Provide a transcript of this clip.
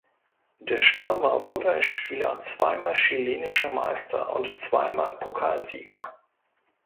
Der Stürmer wurde als Spieler zwei Mal chilenischer Meister und zwei Mal Pokalsieger.